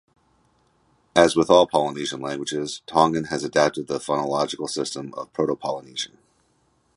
As with all Polynesian languages, Tongan has adapted the phonological system of proto-Polynesian.